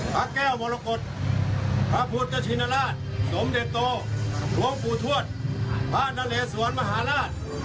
พระแก้วมรกฏพระพุทธชินราชสมเด็จโตหลวงปู่ทวดพระนเลสวนมหาราช